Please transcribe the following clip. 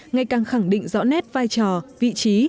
ngày càng khẳng định rõ nét vai trò vị trí